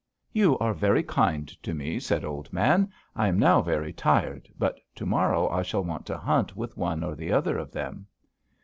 "'You are very kind to me,' said Old Man. 'I am now very tired, but to morrow I shall want to hunt with one or the other of them.'